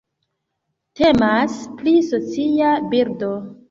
Temas pri socia birdo.